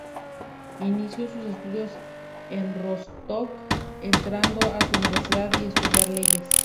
Inicio sus estudios en Rostock entrando en su universidad a estudiar leyes.